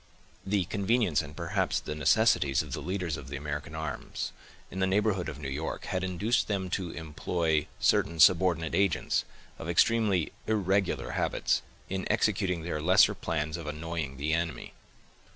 The convenience, and perhaps the necessities, of the leaders of the American arms, in the neighborhood of New York, had induced them to employ certain subordinate agents, of extremely irregular habits, in executing their lesser plans of annoying the enemy.